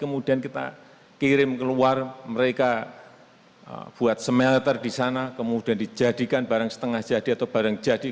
kemudian kita kirim keluar mereka buat smelter di sana kemudian dijadikan barang setengah jadi atau barang jadi